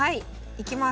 いきます。